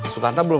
tidak ada apa apa